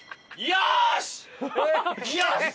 よし！